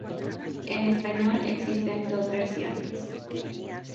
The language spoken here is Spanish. En español, existen dos versiones.